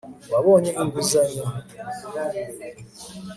wabonye inguzanyo